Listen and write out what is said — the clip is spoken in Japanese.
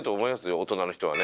大人の人はね。